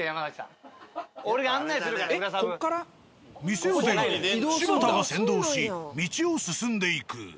店を出ると柴田が先導し道を進んでいく。